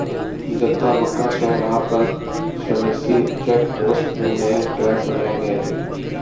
Jeddah Mecca شاہراہ پر شمیسی چیک پوسٹ میں نئے ٹریک بنائے گئے ہیں